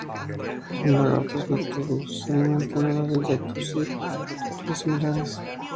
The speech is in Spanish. Son lagartos nocturnos, se alimentan de los insectos y criaturas similares.